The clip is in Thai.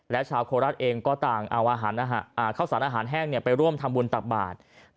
และชาวโคราชเองก็ต่างเอาข้าวสารอาหารแห้งไปร่วมทำบุญตักบาท